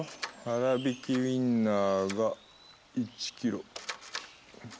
粗びきウインナーが１キロ。